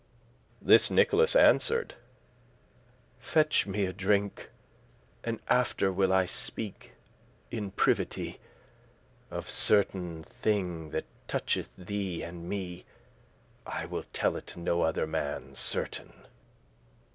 *" *labour This Nicholas answer'd; "Fetch me a drink; And after will I speak in privity Of certain thing that toucheth thee and me: I will tell it no other man certain."